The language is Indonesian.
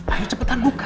ayo cepetan buka